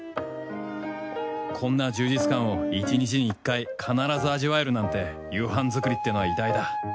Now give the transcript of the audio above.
こんな充実感を一日に１回必ず味わえるなんて夕飯作りってのは偉大だ。